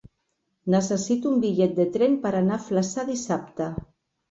Necessito un bitllet de tren per anar a Flaçà dissabte.